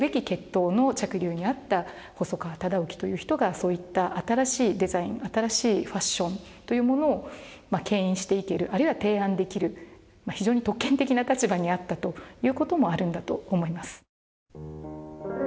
血統の嫡流にあった細川忠興という人がそういった新しいデザイン新しいファッションというものをけん引していけるあるいは提案できる非常に特権的な立場にあったという事もあるんだと思います。